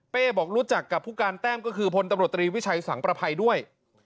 บอกรู้จักกับผู้การแต้มก็คือพลตำรวจตรีวิชัยสังประภัยด้วย